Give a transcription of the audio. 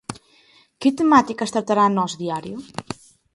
Que temáticas tratará Nós Diario?